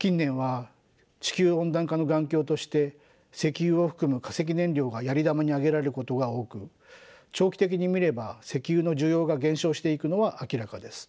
近年は地球温暖化の元凶として石油を含む化石燃料がやり玉に挙げられることが多く長期的に見れば石油の需要が減少していくのは明らかです。